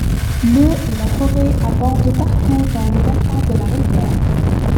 L'eau et la forêt abondent partout dans le bassin de la rivière.